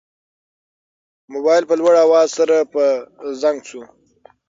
موبایل په لوړ اواز سره په زنګ شو.